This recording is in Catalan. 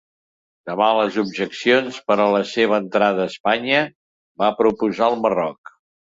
Davant les objeccions per a la seva entrada a Espanya, va proposar el Marroc.